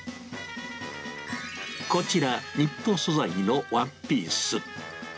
こちら、ニット素材のワンピース。